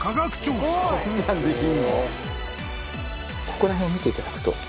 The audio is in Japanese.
ここら辺を見ていただくと。